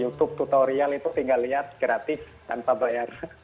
youtube tutorial itu tinggal lihat gratis tanpa bayar